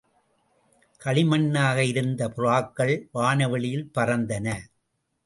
களிமண்ணாக இருந்த புறாக்கள் வானவெளியிலே பறந்தன.